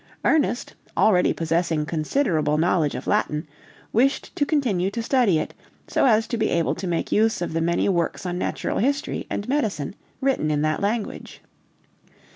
Ernest, already possessing considerable knowledge of Latin, wished to continue to study it, so as to be able to make use of the many works on natural history and medicine written in that language.